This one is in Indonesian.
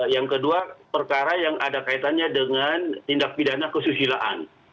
yang kedua perkara yang ada kaitannya dengan tindak pidana kesusilaan